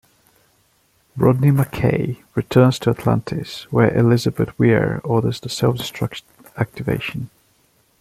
Rodney McKay returns to Atlantis, where Elizabeth Weir orders the self-destruct activation.